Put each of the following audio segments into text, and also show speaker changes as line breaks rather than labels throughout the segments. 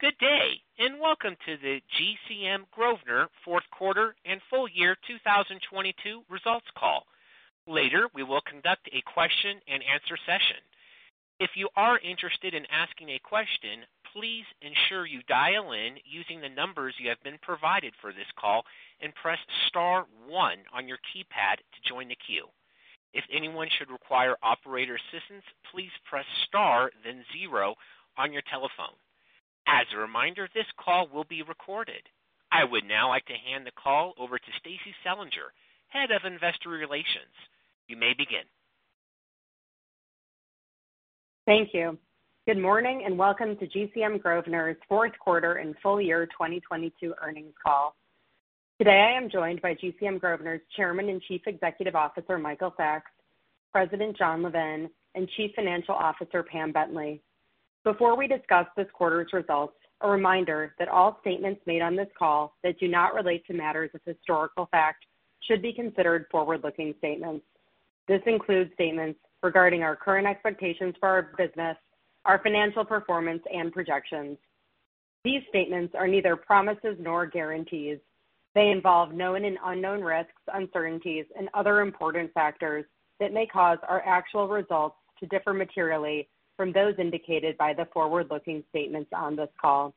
Good day, and welcome to the GCM Grosvenor Fourth Quarter and Full Year 2022 Results Call. Later, we will conduct a question and answer session. If you are interested in asking a question, please ensure you dial in using the numbers you have been provided for this call and press star one on your keypad to join the queue. If anyone should require operator assistance, please press star then zero on your telephone. As a reminder, this call will be recorded. I would now like to hand the call over to Stacie Selinger, Head of Investor Relations. You may begin.
Thank you. Good morning and welcome to GCM Grosvenor's Fourth Quarter and Full Year 2022 Earnings Call. Today, I am joined by GCM Grosvenor's Chairman and Chief Executive Officer, Michael Sacks, President Jonathan Levin, and Chief Financial Officer Pamela Bentley. Before we discuss this quarter's results, a reminder that all statements made on this call that do not relate to matters of historical fact should be considered forward-looking statements. This includes statements regarding our current expectations for our business, our financial performance, and projections. These statements are neither promises nor guarantees. They involve known and unknown risks, uncertainties, and other important factors that may cause our actual results to differ materially from those indicated by the forward-looking statements on this call.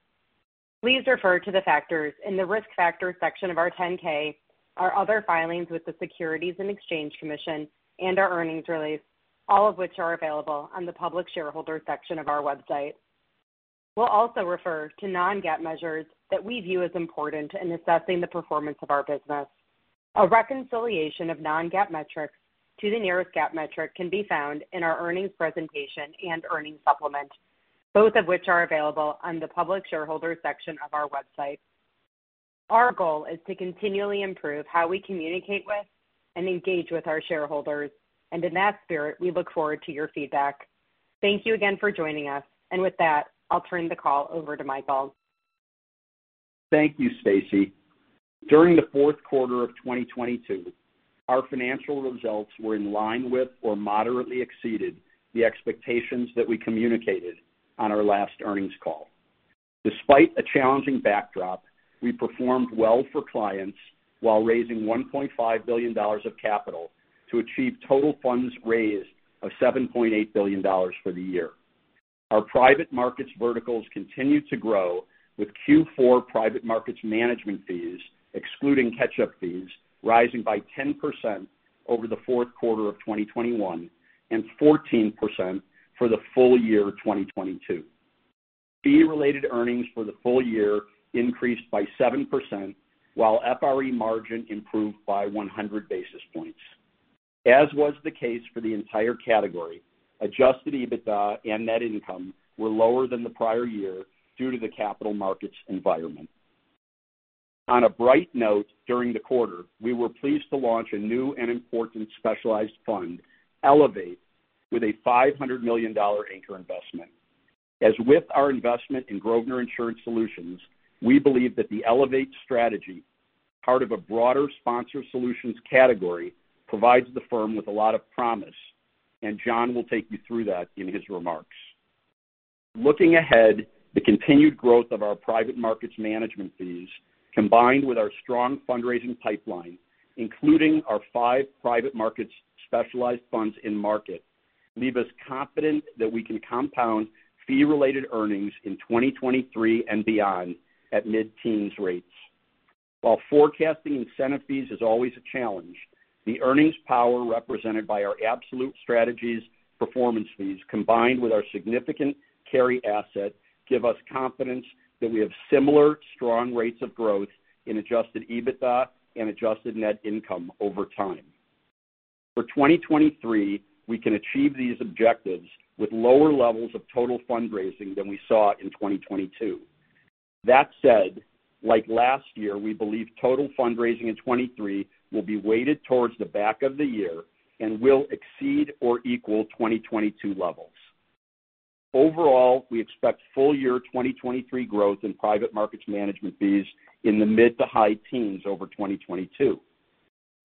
Please refer to the factors in the Risk Factors section of our 10-K, our other filings with the Securities and Exchange Commission, and our earnings release, all of which are available on the Public Shareholders section of our website. We'll also refer to non-GAAP measures that we view as important in assessing the performance of our business. A reconciliation of non-GAAP metrics to the nearest GAAP metric can be found in our earnings presentation and earnings supplement, both of which are available on the Public Shareholders section of our website. Our goal is to continually improve how we communicate with and engage with our shareholders, and in that spirit, we look forward to your feedback. Thank you again for joining us. With that, I'll turn the call over to Michael.
Thank you, Stacie. During the fourth quarter of 2022, our financial results were in line with or moderately exceeded the expectations that we communicated on our last earnings call. Despite a challenging backdrop, we performed well for clients while raising $1.5 billion of capital to achieve total funds raised of $7.8 billion for the year. Our private markets verticals continued to grow with Q4 private markets management fees, excluding catch-up fees, rising by 10% over the fourth quarter of 2021 and 14% for the full year of 2022. Fee-related earnings for the full year increased by 7%, while FRE margin improved by 100 basis points. As was the case for the entire category, Adjusted EBITDA and net income were lower than the prior year due to the capital markets environment. On a bright note, during the quarter, we were pleased to launch a new and important specialized fund, Elevate, with a $500 million anchor investment. As with our investment in GCM Grosvenor Insurance Solutions, we believe that the Elevate strategy, part of a broader Sponsor Solutions category, provides the firm with a lot of promise. John will take you through that in his remarks. Looking ahead, the continued growth of our private markets management fees, combined with our strong fundraising pipeline, including our five private markets specialized funds in market, leave us confident that we can compound fee-related earnings in 2023 and beyond at mid-teens rates. While forecasting incentive fees is always a challenge, the earnings power represented by our absolute strategies performance fees, combined with our significant carry asset, give us confidence that we have similar strong rates of growth in Adjusted EBITDA and adjusted net income over time. For 2023, we can achieve these objectives with lower levels of total fundraising than we saw in 2022. Like last year, we believe total fundraising in 2023 will be weighted towards the back of the year and will exceed or equal 2022 levels. Overall, we expect full year 2023 growth in private markets management fees in the mid-to-high teens over 2022.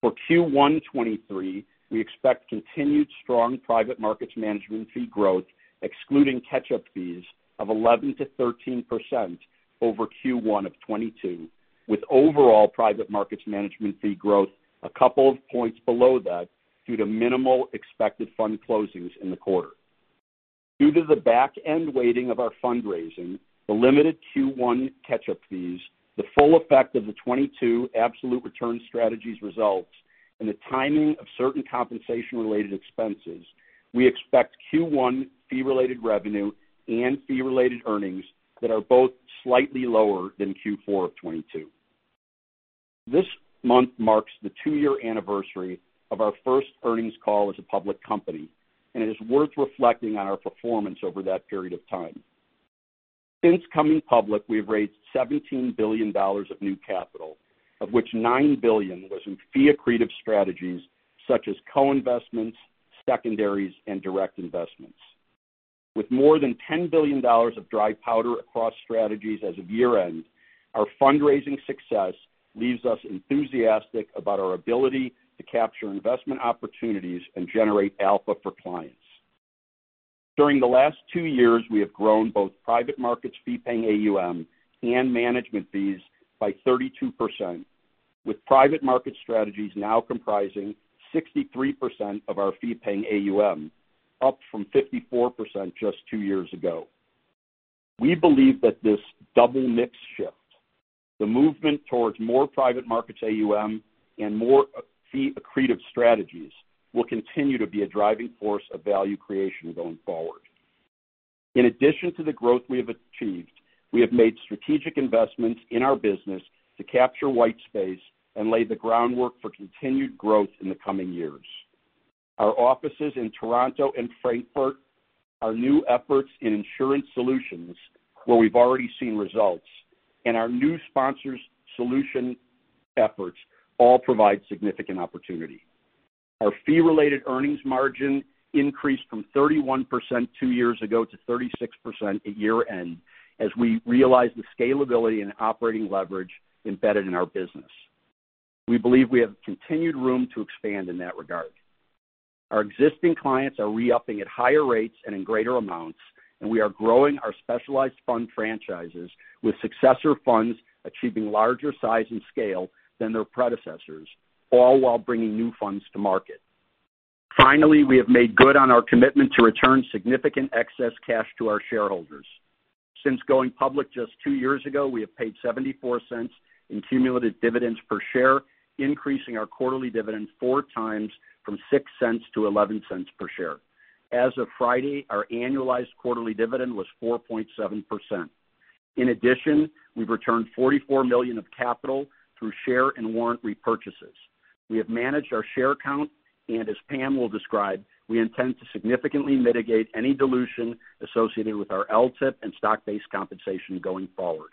For Q1 2023, we expect continued strong private markets management fee growth, excluding catch-up fees, of 11%-13% over Q1 of 2022, with overall private markets management fee growth a couple of points below that due to minimal expected fund closings in the quarter. Due to the back-end weighting of our fundraising, the limited Q1 catch-up fees, the full effect of the 2022 absolute return strategies results, and the timing of certain compensation-related expenses, we expect Q1 fee-related revenue and fee-related earnings that are both slightly lower than Q4 of 2022. This month marks the two-year anniversary of our first earnings call as a public company. It is worth reflecting on our performance over that period of time. Since coming public, we have raised $17 billion of new capital, of which $9 billion was in fee-accretive strategies such as co-investments, secondaries, and direct investments. With more than $10 billion of dry powder across strategies as of year-end, our fundraising success leaves us enthusiastic about our ability to capture investment opportunities and generate alpha for clients. During the last two years, we have grown both private markets fee-paying AUM and management fees by 32%, with private market strategies now comprising 63% of our fee-paying AUM, up from 54% just two years ago. We believe that this double mix shift, the movement towards more private markets AUM and more fee-accretive strategies, will continue to be a driving force of value creation going forward. In addition to the growth we have achieved, we have made strategic investments in our business to capture white space and lay the groundwork for continued growth in the coming years. Our offices in Toronto and Frankfurt, our new efforts in insurance solutions, where we've already seen results, and our new Sponsor Solutions efforts all provide significant opportunity. Our fee-related earnings margin increased from 31% two years ago to 36% at year-end as we realize the scalability and operating leverage embedded in our business. We believe we have continued room to expand in that regard. Our existing clients are re-upping at higher rates and in greater amounts, we are growing our specialized fund franchises with successor funds achieving larger size and scale than their predecessors, all while bringing new funds to market. We have made good on our commitment to return significant excess cash to our shareholders. Since going public just 2 years ago, we have paid $0.74 in cumulative dividends per share, increasing our quarterly dividend 4 times from $0.06 to $0.11 per share. As of Friday, our annualized quarterly dividend was 4.7%. In addition, we've returned $44 million of capital through share and warrant repurchases. We have managed our share count, and as Pam will describe, we intend to significantly mitigate any dilution associated with our LTIP and stock-based compensation going forward.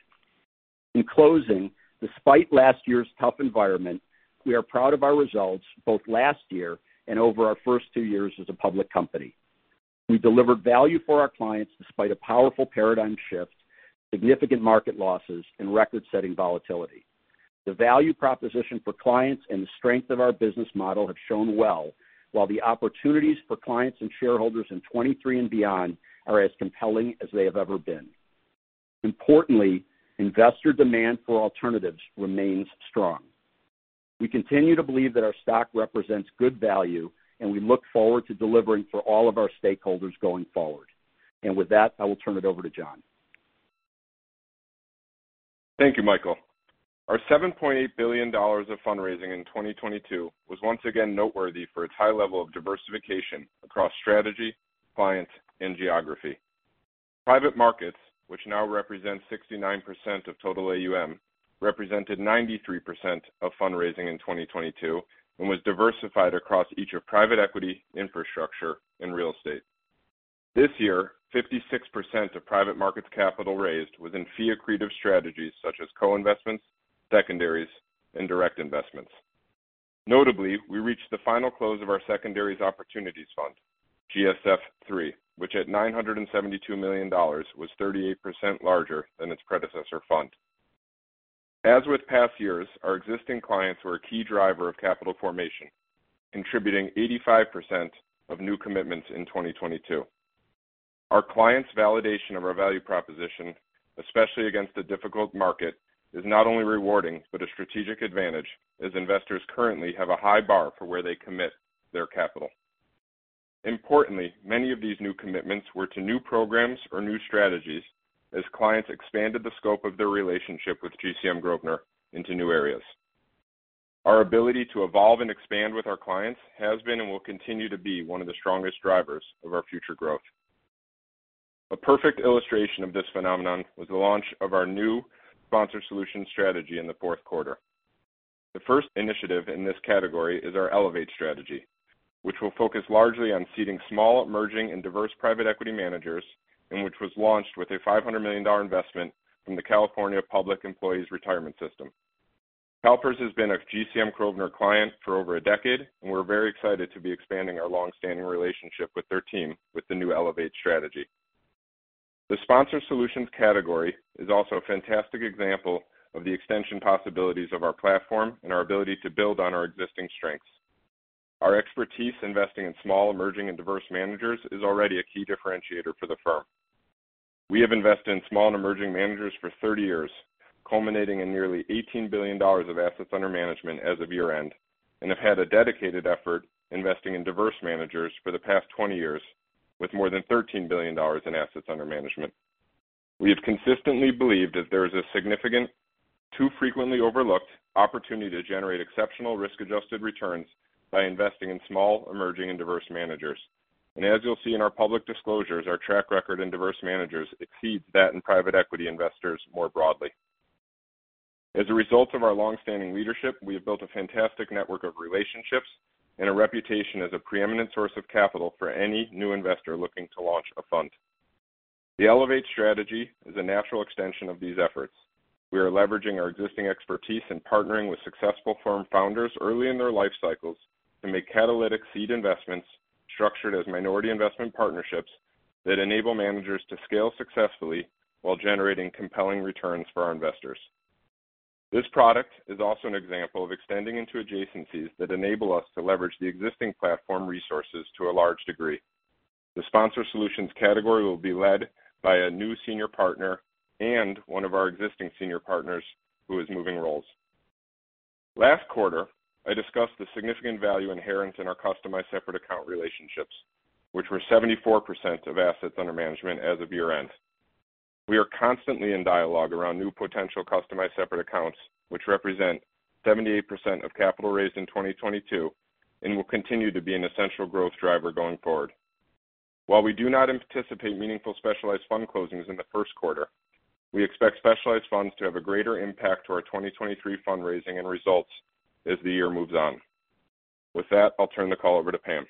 In closing, despite last year's tough environment, we are proud of our results both last year and over our first 2 years as a public company. We delivered value for our clients despite a powerful paradigm shift, significant market losses, and record-setting volatility. The value proposition for clients and the strength of our business model have shown well, while the opportunities for clients and shareholders in 23 and beyond are as compelling as they have ever been. Importantly, investor demand for alternatives remains strong. We continue to believe that our stock represents good value, and we look forward to delivering for all of our stakeholders going forward. With that, I will turn it over to John.
Thank you, Michael. Our $7.8 billion of fundraising in 2022 was once again noteworthy for its high level of diversification across strategy, client, and geography. Private markets, which now represent 69% of total AUM, represented 93% of fundraising in 2022 and was diversified across each of private equity, infrastructure, and real estate. This year, 56% of private markets capital raised was in fee accretive strategies such as co-investments, secondaries, and direct investments. Notably, we reached the final close of our secondaries opportunities fund, GSF III, which at $972 million was 38% larger than its predecessor fund. As with past years, our existing clients were a key driver of capital formation, contributing 85% of new commitments in 2022. Our clients' validation of our value proposition, especially against a difficult market, is not only rewarding, but a strategic advantage as investors currently have a high bar for where they commit their capital. Importantly, many of these new commitments were to new programs or new strategies as clients expanded the scope of their relationship with GCM Grosvenor into new areas. Our ability to evolve and expand with our clients has been and will continue to be one of the strongest drivers of our future growth. A perfect illustration of this phenomenon was the launch of our new Sponsor Solutions strategy in the fourth quarter. The first initiative in this category is our Elevate strategy, which will focus largely on seeding small, emerging, and diverse private equity managers, and which was launched with a $500 million investment from the California Public Employees' Retirement System. CalPERS has been a GCM Grosvenor client for over a decade. We're very excited to be expanding our long-standing relationship with their team with the new Elevate strategy. The Sponsor Solutions category is also a fantastic example of the extension possibilities of our platform and our ability to build on our existing strengths. Our expertise investing in small, emerging, and diverse managers is already a key differentiator for the firm. We have invested in small and emerging managers for 30 years, culminating in nearly $18 billion of assets under management as of year-end, and have had a dedicated effort investing in diverse managers for the past 20 years with more than $13 billion in assets under management. We have consistently believed that there is a significant, too frequently overlooked, opportunity to generate exceptional risk-adjusted returns by investing in small, emerging, and diverse managers. As you'll see in our public disclosures, our track record in diverse managers exceeds that in private equity investors more broadly. As a result of our long-standing leadership, we have built a fantastic network of relationships and a reputation as a preeminent source of capital for any new investor looking to launch a fund. The Elevate strategy is a natural extension of these efforts. We are leveraging our existing expertise in partnering with successful firm founders early in their life cycles and make catalytic seed investments structured as minority investment partnerships that enable managers to scale successfully while generating compelling returns for our investors. This product is also an example of extending into adjacencies that enable us to leverage the existing platform resources to a large degree. The Sponsor Solutions category will be led by a new senior partner and one of our existing senior partners who is moving roles. Last quarter, I discussed the significant value inherent in our customized separate account relationships, which were 74% of assets under management as of year-end. We are constantly in dialogue around new potential customized separate accounts, which represent 78% of capital raised in 2022 and will continue to be an essential growth driver going forward. While we do not anticipate meaningful specialized fund closings in the first quarter, we expect specialized funds to have a greater impact to our 2023 fundraising and results as the year moves on. With that, I'll turn the call over to Pam.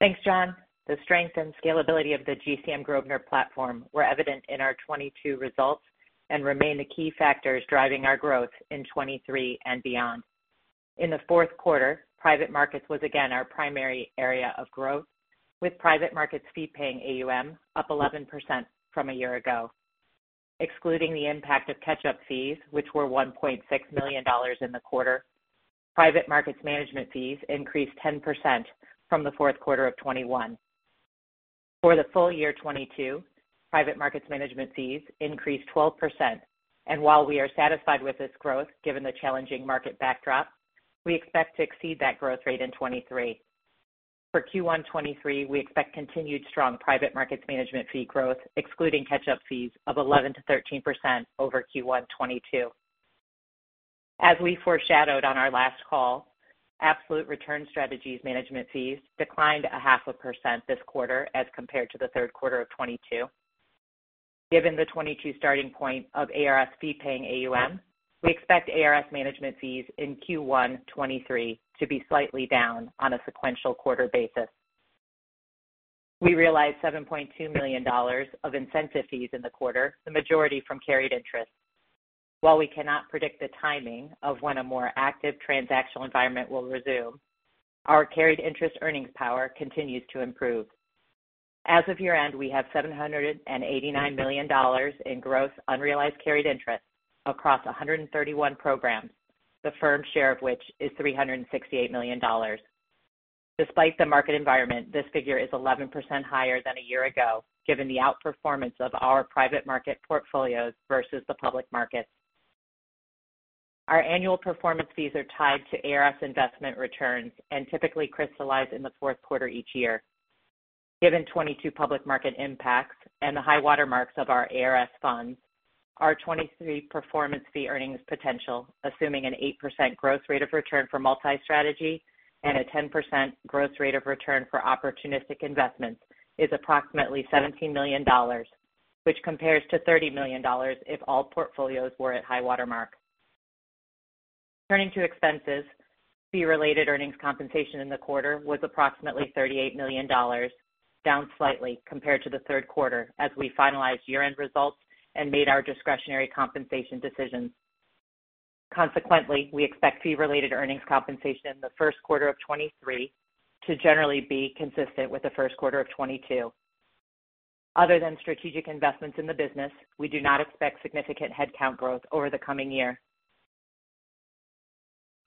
Thanks, John. The strength and scalability of the GCM Grosvenor platform were evident in our 2022 results and remain the key factors driving our growth in 2023 and beyond. In the fourth quarter, private markets was again our primary area of growth, with private markets fee-paying AUM up 11% from a year ago. Excluding the impact of catch-up fees, which were $1.6 million in the quarter, private markets management fees increased 10% from the fourth quarter of 2021. For the full year 2022, private markets management fees increased 12%. While we are satisfied with this growth, given the challenging market backdrop, we expect to exceed that growth rate in 2023. For Q1 2023, we expect continued strong private markets management fee growth, excluding catch-up fees of 11%-13% over Q1 2022. We foreshadowed on our last call, Absolute Return Strategies management fees declined a half a percent this quarter as compared to the third quarter of 2022. Given the 2022 starting point of ARS fee-paying AUM, we expect ARS management fees in Q1 2023 to be slightly down on a sequential quarter basis. We realized $7.2 million of incentive fees in the quarter, the majority from carried interest. We cannot predict the timing of when a more active transactional environment will resume, our carried interest earnings power continues to improve. Of year-end, we have $789 million in gross unrealized carried interest across 131 programs, the firm's share of which is $368 million. Despite the market environment, this figure is 11% higher than a year ago, given the outperformance of our private market portfolios versus the public markets. Our annual performance fees are tied to ARS investment returns and typically crystallize in the fourth quarter each year. Given 2022 public market impacts and the high-water marks of our ARS funds, our 2023 performance fee earnings potential, assuming an 8% gross rate of return for multi-strategy and a 10% gross rate of return for opportunistic investments, is approximately $17 million, which compares to $30 million if all portfolios were at high-water mark. Turning to expenses, fee-related earnings compensation in the quarter was approximately $38 million, down slightly compared to the third quarter as we finalized year-end results and made our discretionary compensation decisions. Consequently, we expect fee-related earnings compensation in the first quarter of 2023 to generally be consistent with the first quarter of 2022. Other than strategic investments in the business, we do not expect significant headcount growth over the coming year.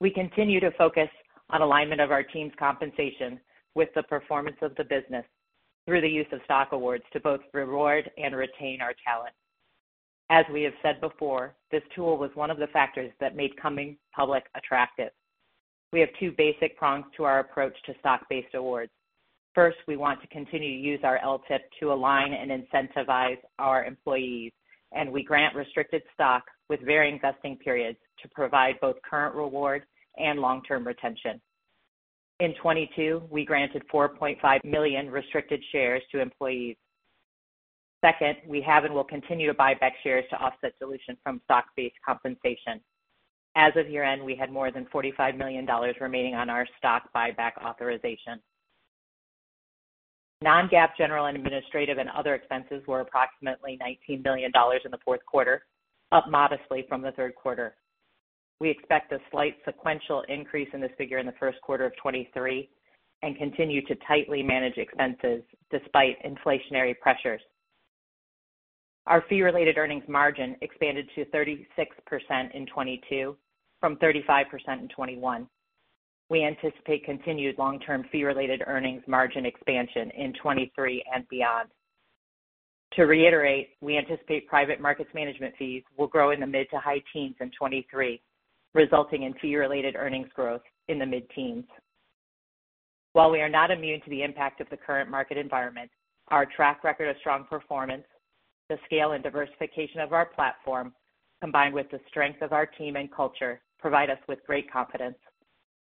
We continue to focus on alignment of our team's compensation with the performance of the business through the use of stock awards to both reward and retain our talent. As we have said before, this tool was one of the factors that made coming public attractive. We have two basic prongs to our approach to stock-based awards. First, we want to continue to use our LTIP to align and incentivize our employees. We grant restricted stock with varying vesting periods to provide both current reward and long-term retention. In 2022, we granted 4.5 million restricted shares to employees. Second, we have and will continue to buy back shares to offset solution from stock-based compensation. As of year-end, we had more than $45 million remaining on our stock buyback authorization. Non-GAAP general and administrative and other expenses were approximately $19 million in the fourth quarter, up modestly from the third quarter. We expect a slight sequential increase in this figure in the first quarter of 2023 and continue to tightly manage expenses despite inflationary pressures. Our fee-related earnings margin expanded to 36% in 2022 from 35% in 2021. We anticipate continued long-term fee-related earnings margin expansion in 2023 and beyond. To reiterate, we anticipate private markets management fees will grow in the mid to high teens in 2023, resulting in fee-related earnings growth in the mid-teens. While we are not immune to the impact of the current market environment, our track record of strong performance, the scale and diversification of our platform, combined with the strength of our team and culture, provide us with great confidence.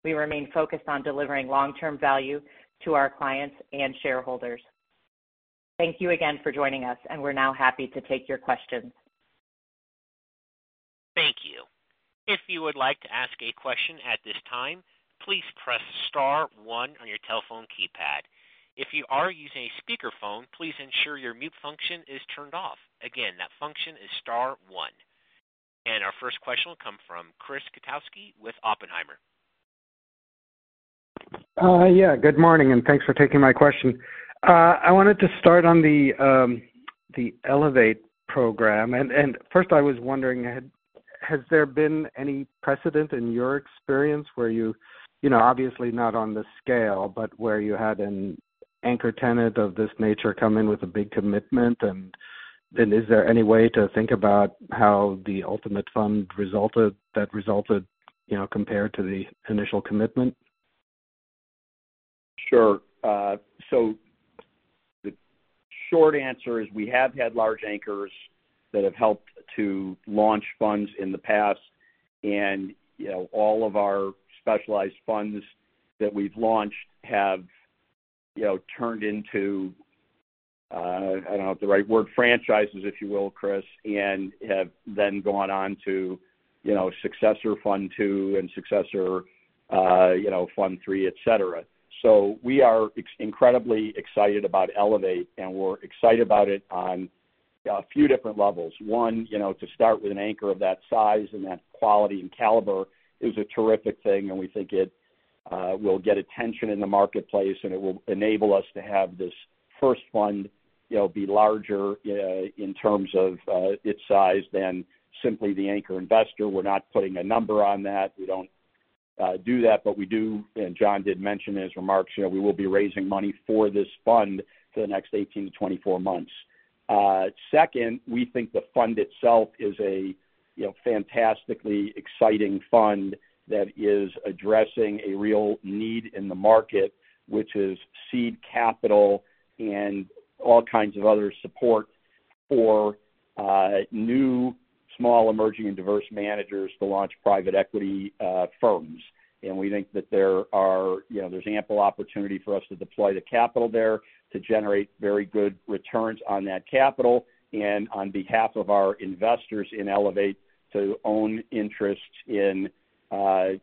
We remain focused on delivering long-term value to our clients and shareholders. Thank you again for joining us, and we're now happy to take your questions.
Thank you. If you would like to ask a question at this time, please press star 1 on your telephone keypad. If you are using a speakerphone, please ensure your mute function is turned off. Again, that function is star 1. Our first question will come from Chris Kotowski with Oppenheimer.
Yeah, good morning, and thanks for taking my question. I wanted to start on the Elevate program. First I was wondering, has there been any precedent in your experience where you know, obviously not on this scale, but where you had an anchor tenant of this nature come in with a big commitment? Is there any way to think about how the ultimate fund that resulted, you know, compared to the initial commitment?
Sure. The short answer is we have had large anchors that have helped to launch funds in the past. And, you know, all of our specialized funds that we've launched have, you know, turned into, I don't know the right word, franchises, if you will, Chris, and have then gone on to, you know, successor fund 2 and successor, you know, fund 3, etc. We are incredibly excited about Elevate, and we're excited about it on a few different levels. 1, you know, to start with an anchor of that size and that quality and caliber is a terrific thing, and we think it will get attention in the marketplace, and it will enable us to have this first fund, you know, be larger, in terms of its size than simply the anchor investor. We're not putting a number on that. We don't do that, but we do. John did mention in his remarks, you know, we will be raising money for this fund for the next 18 to 24 months. Second, we think the fund itself is a, you know, fantastically exciting fund that is addressing a real need in the market, which is seed capital and all kinds of other support for new small emerging and diverse managers to launch private equity firms. We think that there are, you know, there's ample opportunity for us to deploy the capital there to generate very good returns on that capital and on behalf of our investors in Elevate to own interests in,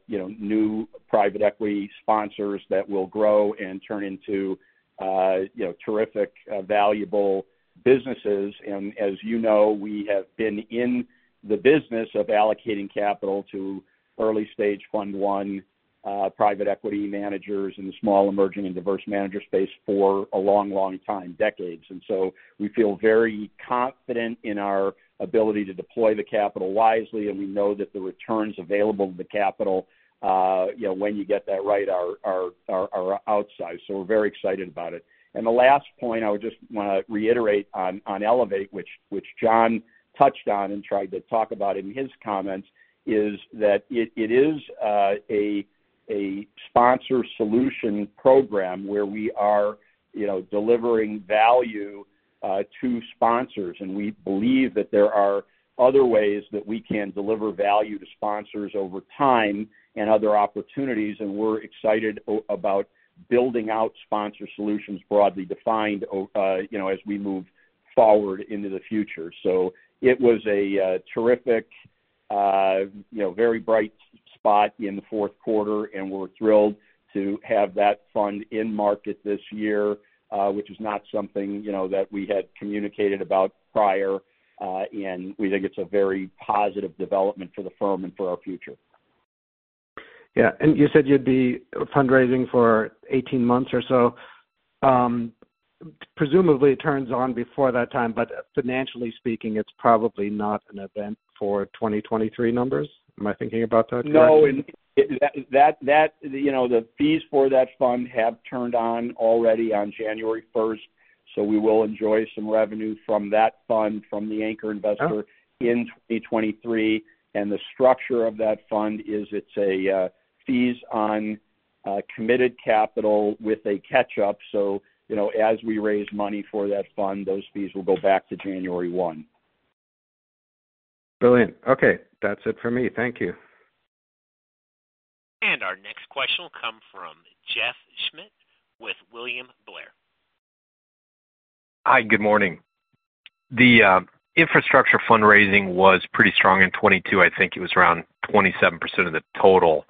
you know, new private equity sponsors that will grow and turn into, you know, terrific, valuable businesses. As you know, we have been in the business of allocating capital to early-stage fund one, private equity managers in the small, emerging, and diverse manager space for a long, long time, decades. We feel very confident in our ability to deploy the capital wisely, and we know that the returns available to the capital, you know, when you get that right are outsized. We're very excited about it. The last point I would just wanna reiterate on Elevate, which John touched on and tried to talk about in his comments, is that it is, a sponsor solution program where we are, you know, delivering value to sponsors. We believe that there are other ways that we can deliver value to sponsors over time and other opportunities, and we're excited about building out Sponsor Solutions broadly defined, you know, as we move forward into the future. It was a terrific, you know, very bright spot in the fourth quarter, and we're thrilled to have that fund in market this year, which is not something, you know, that we had communicated about prior, and we think it's a very positive development for the firm and for our future.
Yeah. you said you'd be fundraising for 18 months or so. presumably it turns on before that time, but financially speaking, it's probably not an event for 2023 numbers. Am I thinking about that correctly?
No. That, you know, the fees for that fund have turned on already on January 1st. We will enjoy some revenue from that fund from the anchor investor.
Oh.
In 2023. The structure of that fund is it's a, fees on, committed capital with a catch-up. You know, as we raise money for that fund, those fees will go back to January 1.
Brilliant. Okay, that's it for me. Thank you.
Our next question will come from Jeff Schmitt with William Blair.
Hi, good morning. The infrastructure fundraising was pretty strong in 2022. I think it was around 27% of the total.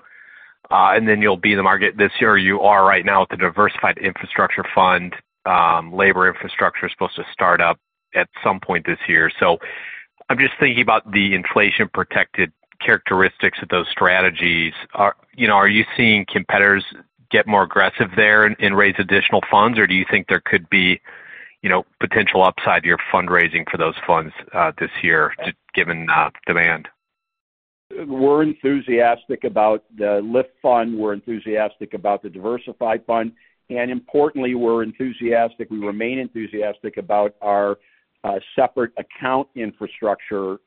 You'll be in the market this year. You are right now with the diversified infrastructure fund. Infrastructure Advantage is supposed to start up at some point this year. I'm just thinking about the inflation protected characteristics of those strategies. Are you seeing competitors get more aggressive there and raise additional funds? Or do you think there could be, you know, potential upside to your fundraising for those funds this year given demand?
We're enthusiastic about the LIFT fund. We're enthusiastic about the diversified fund. Importantly, we're enthusiastic, we remain enthusiastic about our separate account infrastructure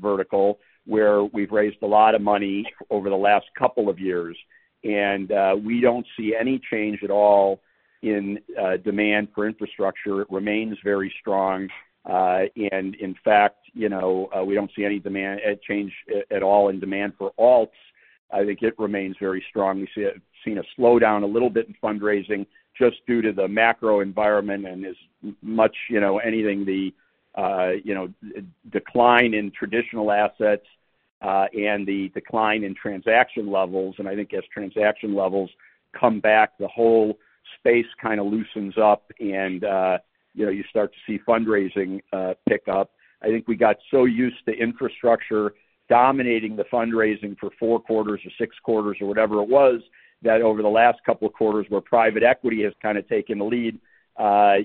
vertical, where we've raised a lot of money over the last couple of years. We don't see any change at all in demand for infrastructure. It remains very strong. In fact, you know, we don't see any demand change at all in demand for alts. I think it remains very strong. We've seen a slowdown a little bit in fundraising just due to the macro environment and as much, you know anything the, you know, decline in traditional assets, and the decline in transaction levels. I think as transaction levels come back, the whole space kind of loosens up and, you know, you start to see fundraising pick up. I think we got so used to infrastructure dominating the fundraising for four quarters or six quarters or whatever it was, that over the last couple of quarters where private equity has kind of taken the lead,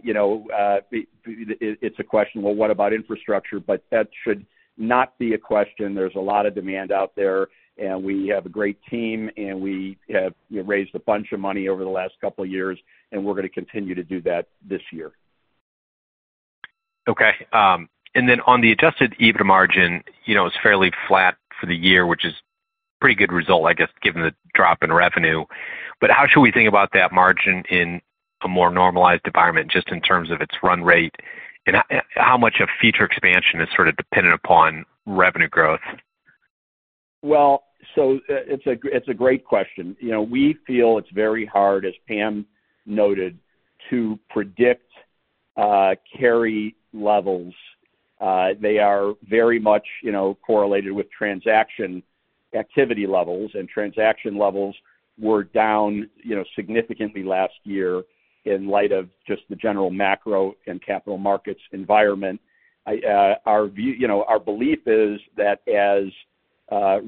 you know, it's a question, well, what about infrastructure? That should not be a question. There's a lot of demand out there, and we have a great team, and we have raised a bunch of money over the last couple of years, and we're going to continue to do that this year.
Okay. On the Adjusted EBITDA margin, you know, it's fairly flat for the year, which is pretty good result, I guess, given the drop in revenue. How should we think about that margin in a more normalized environment just in terms of its run rate? And how much of future expansion is sort of dependent upon revenue growth?
It's a great question. You know, we feel it's very hard, as Pam noted, to predict carry levels. They are very much, you know, correlated with transaction activity levels, and transaction levels were down, you know, significantly last year in light of just the general macro and capital markets environment. Our view, you know, our belief is that as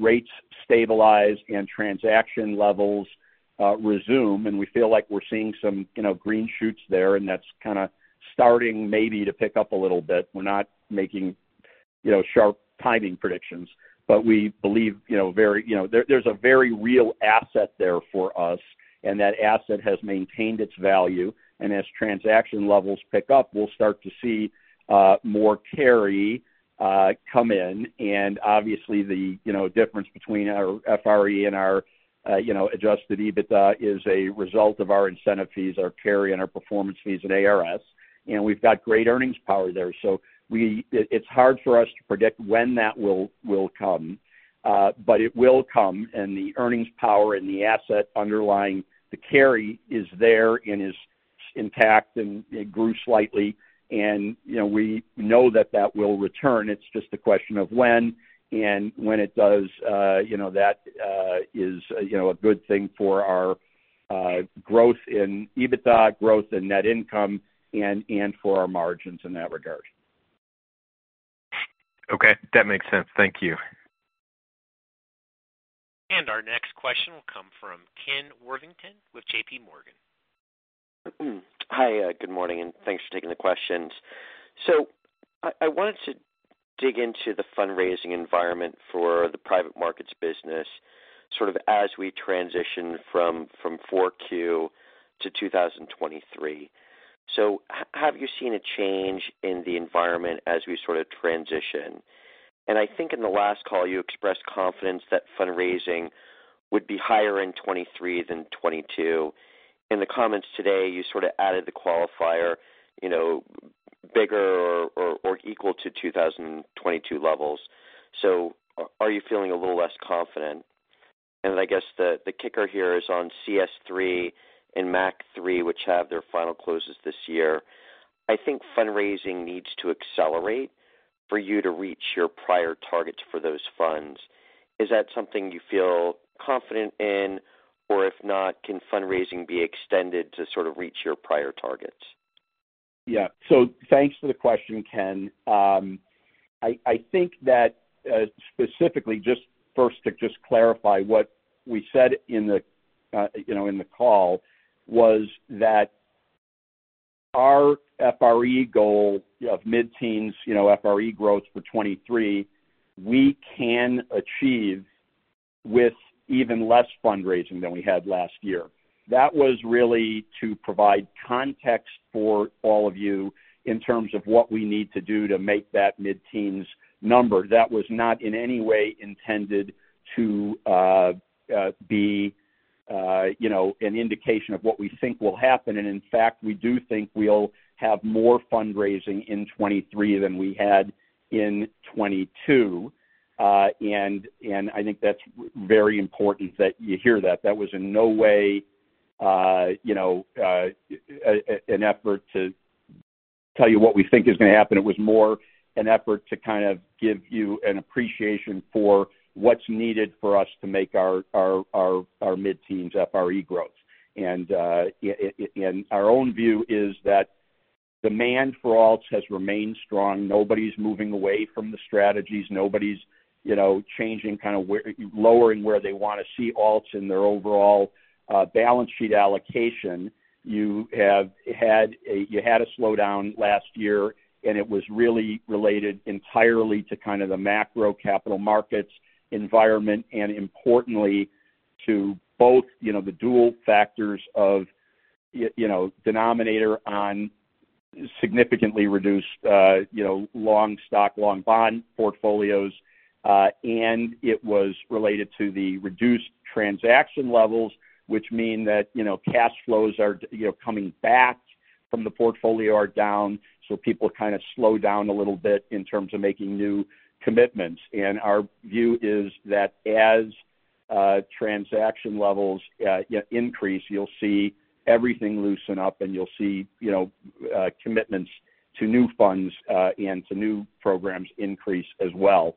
rates stabilize and transaction levels resume, and we feel like we're seeing some, you know, green shoots there, and that's kind of starting maybe to pick up a little bit. We're not making, you know, sharp timing predictions, but we believe, you know, very, you know, there's a very real asset there for us, and that asset has maintained its value. As transaction levels pick up, we'll start to see more carry come in. Obviously the, you know, difference between our FRE and our, you know, Adjusted EBITDA is a result of our incentive fees, our carry, and our performance fees and ARS. You know, we've got great earnings power there. It's hard for us to predict when that will come, but it will come. The earnings power and the asset underlying the carry is there and is intact, and it grew slightly. You know, we know that that will return. It's just a question of when. When it does, you know, that is, you know, a good thing for our growth in EBITDA, growth in net income and for our margins in that regard.
Okay, that makes sense. Thank you.
Our next question will come from Ken Worthington with J.P. Morgan.
Hi, good morning, and thanks for taking the questions. I wanted to dig into the fundraising environment for the private markets business, sort of as we transition from 4Q to 2023. Have you seen a change in the environment as we sort of transition? I think in the last call you expressed confidence that fundraising would be higher in 23 than 22. In the comments today, you sort of added the qualifier, you know, bigger or equal to 2022 levels. Are you feeling a little less confident? I guess the kicker here is on CS III and MAC III, which have their final closes this year. I think fundraising needs to accelerate for you to reach your prior targets for those funds. Is that something you feel confident in? If not, can fundraising be extended to sort of reach your prior targets?
Yeah. Thanks for the question, Ken. I think that specifically, just first to just clarify what we said in the, you know, in the call was that our FRE goal of mid-teens, you know, FRE growth for 2023, we can achieve with even less fundraising than we had last year. That was really to provide context for all of you in terms of what we need to do to make that mid-teens number. That was not in any way intended to be, you know, an indication of what we think will happen. And in fact, we do think we'll have more fundraising in 2023 than we had in 2022. And I think that's very important that you hear that. That was in no way, you know, an effort to tell you what we think is gonna happen. It was more an effort to kind of give you an appreciation for what's needed for us to make our mid-teens FRE growth. Our own view is that demand for alts has remained strong. Nobody's moving away from the strategies. Nobody's, you know, changing kind of lowering where they want to see alts in their overall balance sheet allocation. You had a slowdown last year, and it was really related entirely to kind of the macro capital markets environment, and importantly, to both, you know, the dual factors of you know, denominator on significantly reduced, you know, long stock, long bond portfolios. It was related to the reduced transaction levels, which mean that, you know, cash flows are, you know, coming back from the portfolio are down. People kind of slow down a little bit in terms of making new commitments. Our view is that as transaction levels increase, you'll see everything loosen up and you'll see, you know, commitments... To new funds, and to new programs increase as well.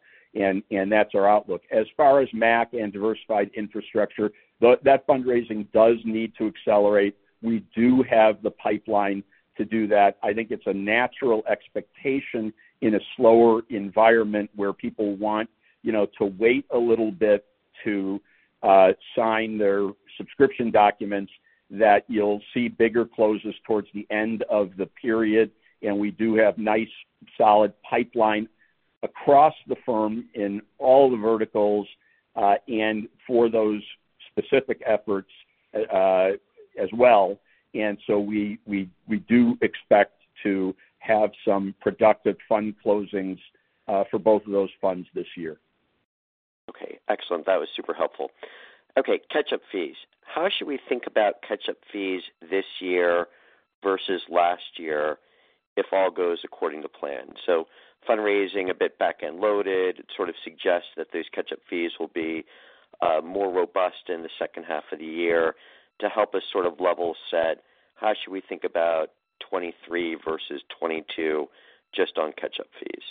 That's our outlook. As far as MAC and diversified infrastructure, that fundraising does need to accelerate. We do have the pipeline to do that. I think it's a natural expectation in a slower environment where people want, you know, to wait a little bit to sign their subscription documents that you'll see bigger closes towards the end of the period. We do have nice, solid pipeline across the firm in all the verticals, and for those specific efforts, as well. We do expect to have some productive fund closings, for both of those funds this year.
Excellent. That was super helpful. Catch-up fees. How should we think about catch-up fees this year versus last year, if all goes according to plan? Fundraising a bit back-end loaded, it sort of suggests that these catch-up fees will be more robust in the second half of the year. To help us sort of level set, how should we think about 2023 versus 2022 just on catch-up fees?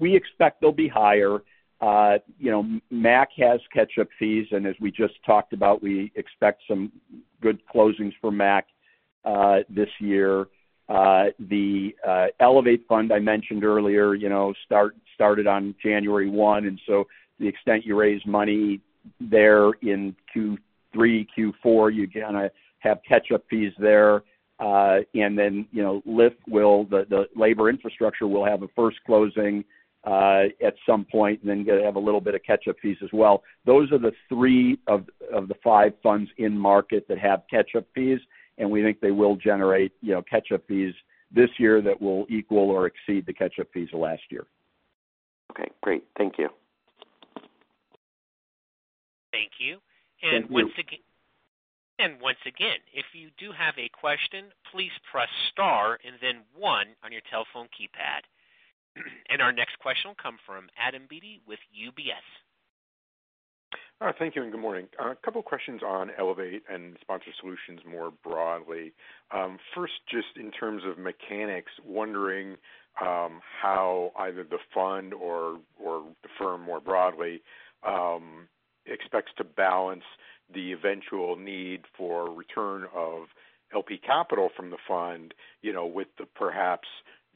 We expect they'll be higher. You know, MAC has catch-up fees, and as we just talked about, we expect some good closings for MAC this year. The Elevate fund I mentioned earlier, you know, started on January 1, and so the extent you raise money there in Q3, Q4, you're gonna have catch-up fees there. You know, the Infrastructure Advantage will have a first closing at some point and then gonna have a little bit of catch-up fees as well. Those are the three of the five funds in market that have catch-up fees, and we think they will generate, you know, catch-up fees this year that will equal or exceed the catch-up fees of last year.
Okay, great. Thank you.
Thank you.
Thank you.
Once again, if you do have a question, please press star and then one on your telephone keypad. Our next question will come from Adam Beatty with UBS.
Thank you, and good morning. A couple of questions on Elevate and Sponsor Solutions more broadly. First, just in terms of mechanics, wondering how either the fund or the firm more broadly, expects to balance the eventual need for return of LP capital from the fund, you know, with the perhaps,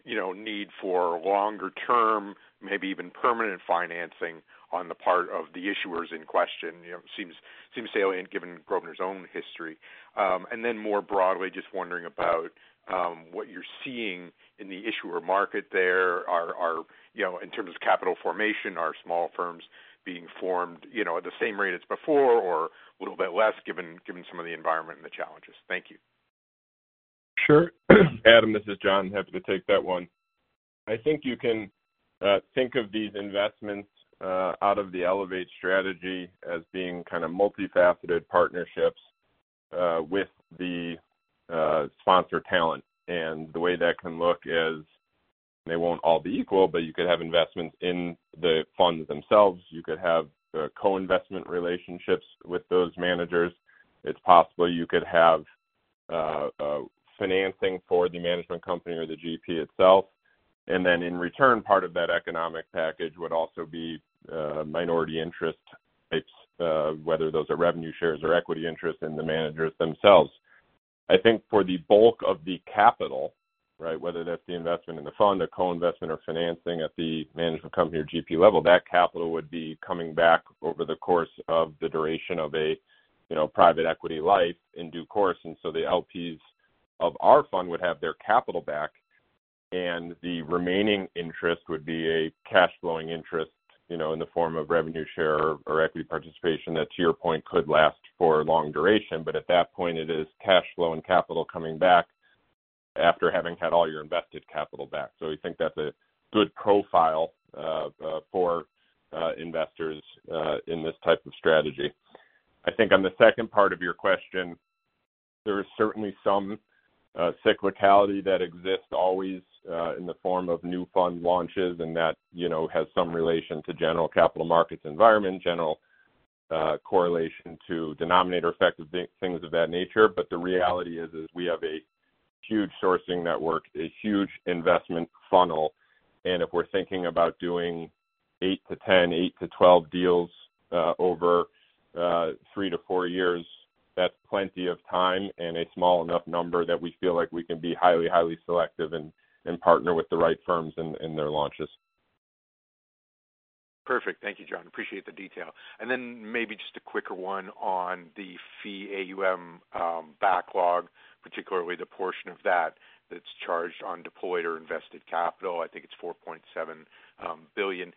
you know, need for longer term, maybe even permanent financing on the part of the issuers in question. You know, seems salient given Grosvenor's own history. More broadly, just wondering about what you're seeing in the issuer market there. You know, in terms of capital formation, are small firms being formed, you know, at the same rate as before or a little bit less, given some of the environment and the challenges? Thank you.
Sure. Adam, this is John. Happy to take that one. I think you can think of these investments out of the Elevate strategy as being kind of multifaceted partnerships with the sponsor talent. The way that can look is they won't all be equal, but you could have investments in the funds themselves. You could have the co-investment relationships with those managers. It's possible you could have financing for the management company or the GP itself. In return, part of that economic package would also be minority interest types, whether those are revenue shares or equity interest in the managers themselves. I think for the bulk of the capital, right, whether that's the investment in the fund, a co-investment or financing at the management company or GP level, that capital would be coming back over the course of the duration of a, you know, private equity life in due course. The LPs of our fund would have their capital back, and the remaining interest would be a cash flowing interest, you know, in the form of revenue share or equity participation that, to your point, could last for a long duration, but at that point it is cash flow and capital coming back after having had all your invested capital back. We think that's a good profile for investors in this type of strategy. I think on the second part of your question, there is certainly some cyclicality that exists always in the form of new fund launches. That, you know, has some relation to general capital markets environment, general correlation to denominator effect of things of that nature. The reality is we have a huge sourcing network, a huge investment funnel, and if we're thinking about doing 8-10, 8-12 deals over 3-4 years, that's plenty of time and a small enough number that we feel like we can be highly selective and partner with the right firms in their launches.
Perfect. Thank you, John. Appreciate the detail. Maybe just a quicker one on the fee AUM backlog, particularly the portion of that that's charged on deployed or invested capital. I think it's $4.7 billion.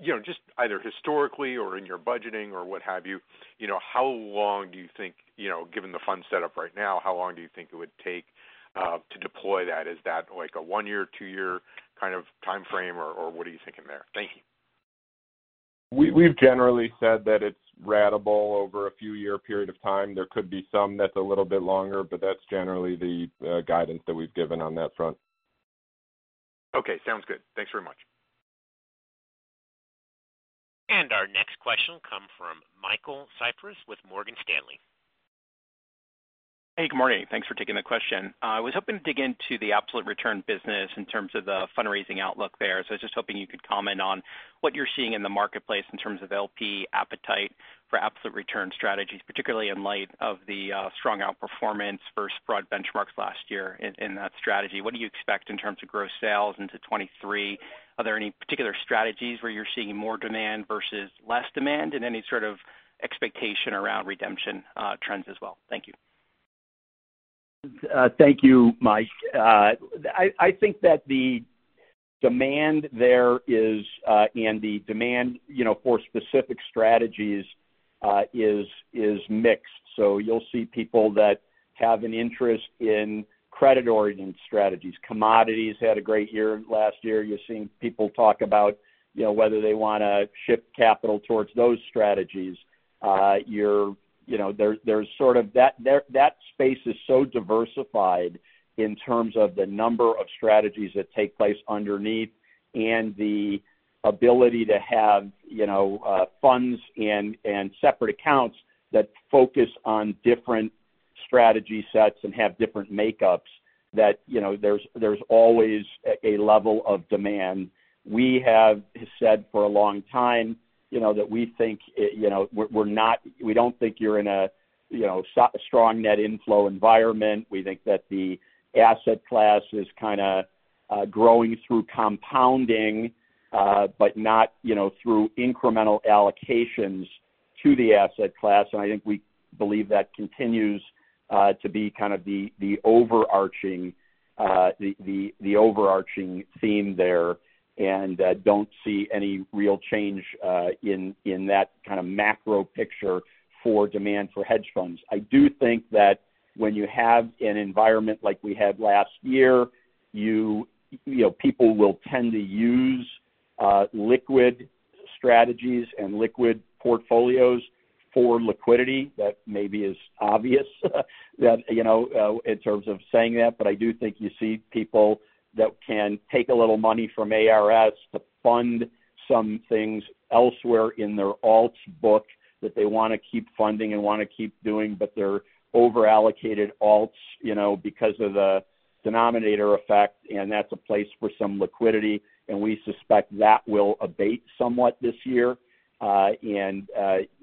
You know, just either historically or in your budgeting or what have you know, how long do you think, you know, given the fund set up right now, how long do you think it would take to deploy that? Is that like a one-year, two-year kind of timeframe or what are you thinking there? Thank you.
We've generally said that it's ratable over a few year period of time. There could be some that's a little bit longer, but that's generally the guidance that we've given on that front.
Okay, sounds good. Thanks very much.
From Michael Cyprys with Morgan Stanley.
Hey, good morning. Thanks for taking the question. I was hoping to dig into the absolute return business in terms of the fundraising outlook there. I was just hoping you could comment on what you're seeing in the marketplace in terms of LP appetite for absolute return strategies, particularly in light of the strong outperformance versus broad benchmarks last year in that strategy. What do you expect in terms of gross sales into 2023? Are there any particular strategies where you're seeing more demand versus less demand, and any sort of expectation around redemption trends as well? Thank you.
Thank you, Mike. I think that the demand there is, and the demand, you know, for specific strategies, is mixed. You'll see people that have an interest in credit-oriented strategies. Commodities had a great year last year. You're seeing people talk about, you know, whether they wanna shift capital towards those strategies. You know, there's sort of that space is so diversified in terms of the number of strategies that take place underneath and the ability to have, you know, funds and separate accounts that focus on different strategy sets and have different makeups that, you know, there's always a level of demand. We have said for a long time, you know, that we think, you know, we don't think you're in a, you know, strong net inflow environment. We think that the asset class is kinda growing through compounding, but not, you know, through incremental allocations to the asset class. I think we believe that continues to be kind of the overarching, the overarching theme there and don't see any real change in that kinda macro picture for demand for hedge funds. I do think that when you have an environment like we had last year, you know, people will tend to use liquid strategies and liquid portfolios for liquidity. That maybe is obvious, that, you know, in terms of saying that. I do think you see people that can take a little money from ARS to fund some things elsewhere in their alts book that they wanna keep funding and wanna keep doing, but they're over-allocated alts, you know, because of the denominator effect, and that's a place for some liquidity, and we suspect that will abate somewhat this year.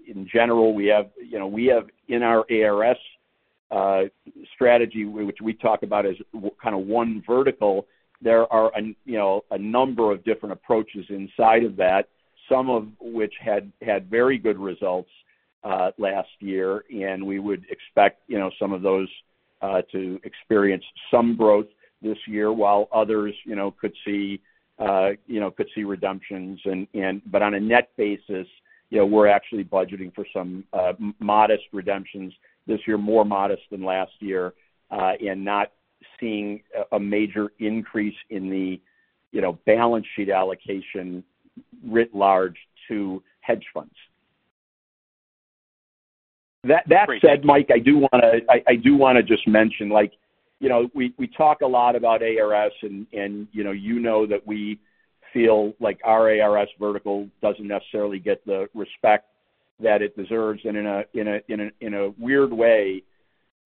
In general, we have, you know, we have in our ARS strategy, which we talk about as kinda one vertical, there are a number of different approaches inside of that, some of which had very good results last year, and we would expect, you know, some of those to experience some growth this year while others, you know, could see, you know, could see redemptions. On a net basis, you know, we're actually budgeting for some modest redemptions this year, more modest than last year, and not seeing a major increase in the, you know, balance sheet allocation writ large to hedge funds. That said, Mike, I do wanna just mention, like, you know, we talk a lot about ARS and, you know, that we feel like our ARS vertical doesn't necessarily get the respect that it deserves. In a weird way,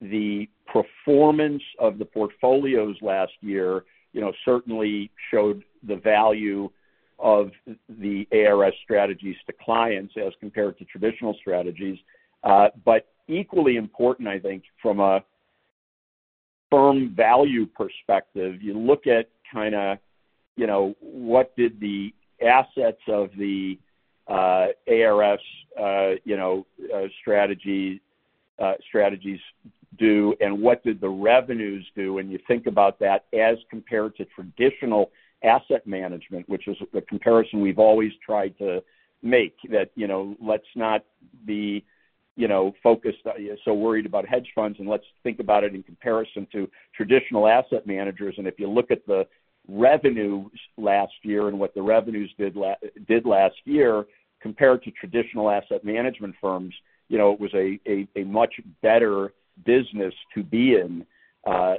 the performance of the portfolios last year, you know, certainly showed the value of the ARS strategies to clients as compared to traditional strategies. Equally important, I think, from a firm value perspective, you look at kinda, you know, what did the assets of the ARS, you know, strategy, strategies do, and what did the revenues do. You think about that as compared to traditional asset management, which is a comparison we've always tried to make. That, you know, let's not be, you know, focused, so worried about hedge funds, and let's think about it in comparison to traditional asset managers. If you look at the revenues last year and what the revenues did last year, compared to traditional asset management firms, you know, it was a much better business to be in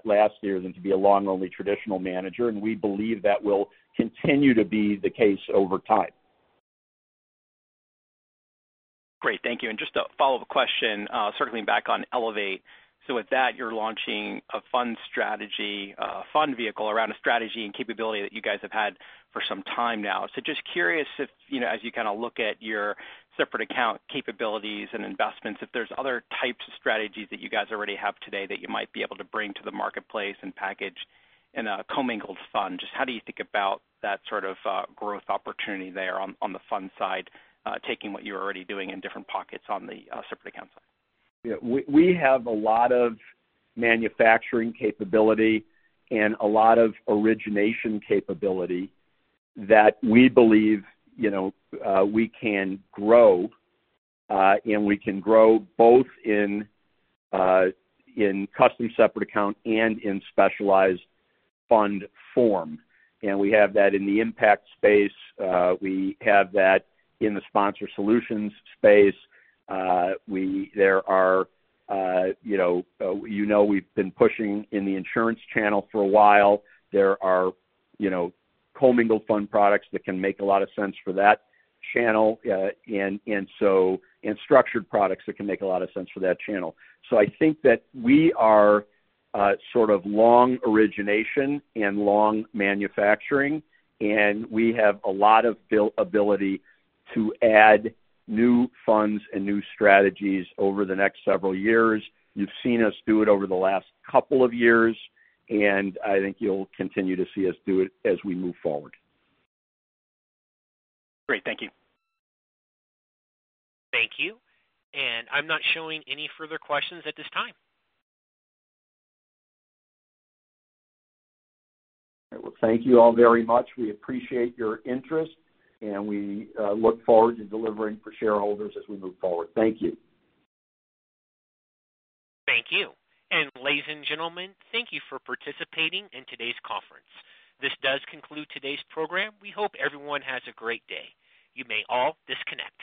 last year than to be a long-only traditional manager. We believe that will continue to be the case over time.
Great. Thank you. Just a follow-up question, circling back on Elevate. With that, you're launching a fund strategy, a fund vehicle around a strategy and capability that you guys have had for some time now. Just curious if, you know, as you kind of look at your separate account capabilities and investments, if there's other types of strategies that you guys already have today that you might be able to bring to the marketplace and package in a commingled fund. Just how do you think about that sort of growth opportunity there on the fund side, taking what you're already doing in different pockets on the separate account side?
Yeah. We have a lot of manufacturing capability and a lot of origination capability that we believe, you know, we can grow, and we can grow both in custom separate account and in specialized fund form. We have that in the impact space. We have that in the Sponsor Solutions space. There are, you know, we've been pushing in the insurance channel for a while. There are, you know, commingled fund products that can make a lot of sense for that channel. And structured products that can make a lot of sense for that channel. I think that we are, sort of long origination and long manufacturing, and we have a lot of ability to add new funds and new strategies over the next several years. You've seen us do it over the last couple of years, and I think you'll continue to see us do it as we move forward.
Great. Thank you.
Thank you. I'm not showing any further questions at this time.
Well, thank you all very much. We appreciate your interest, and we look forward to delivering for shareholders as we move forward. Thank you.
Thank you. Ladies and gentlemen, thank you for participating in today's conference. This does conclude today's program. We hope everyone has a great day. You may all disconnect.